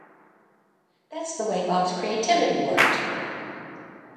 That's the way Bob's creativity worked.